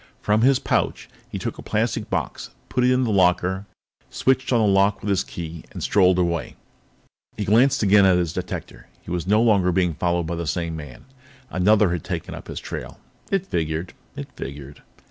From his pouch, he took a plastic box, put it in the locker, switched on the lock with his key, and strolled away. He glanced again at his detector. He was no longer being followed by the same man; another had taken up the trail. It figured; it figured.